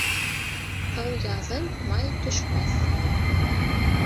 Һыу яҙын, май төшмәҫ.